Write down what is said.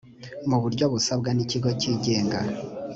mu buryo busabwa n ikigo cyigenga